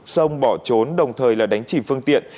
xong bỏ trốn đồng thời là đánh chỉ phương tiện